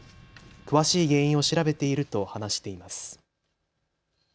詳しい原因を調べていると話しています。